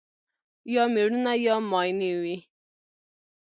یا مېړونه یا ماينې وي